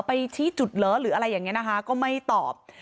ชี้จุดเหรอหรืออะไรอย่างนี้นะคะก็ไม่ตอบ